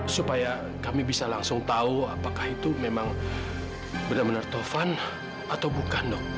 supaya kami bisa langsung tahu apakah itu memang benar benar tovan atau bukan dok